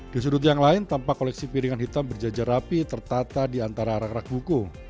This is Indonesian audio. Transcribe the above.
di sudut yang lain tampak koleksi piringan hitam berjajar rapi tertata di antara arak arak hukum